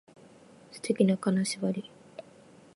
素敵な金縛り